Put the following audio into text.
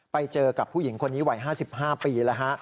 ไปเจอกับผู้หญิงคนนี้วัย๕๕ปีแล้วฮะ